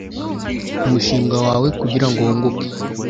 umushinga wawe kugira ngo wunguke